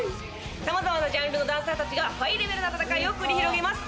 様々なジャンルのダンサーたちがハイレベルな戦いを繰り広げます。